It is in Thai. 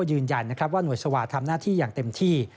ยืนยันว่าหน่วยสวาสตร์ทำหน้าที่อย่างเต็มที่